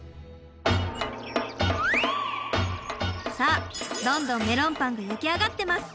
さあどんどんメロンパンが焼き上がってます。